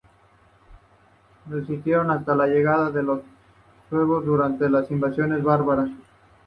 Resistieron hasta la llegada de los suevos, durante las invasiones bárbaras.